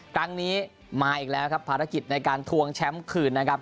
ครั้งนี้มาอีกแล้วครับภารกิจในการทวงแชมป์คืนนะครับ